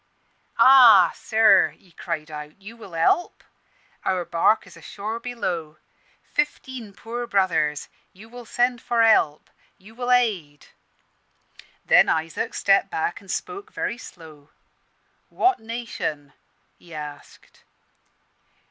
"'Ah, sir,' he cried, 'you will help? Our barque is ashore below fifteen poor brothers! You will send for help? you will aid?' "Then Isaac stepped back, and spoke very slow 'What nation?' he asked.